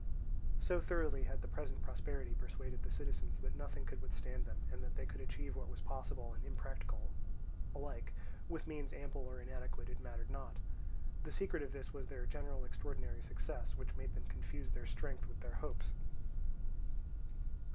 So thoroughly had the present prosperity persuaded the citizens that nothing could withstand them, and that they could achieve what was possible and impracticable alike, with means ample or inadequate it mattered not. The secret of this was their general extraordinary success, which made them confuse their strength with their hopes.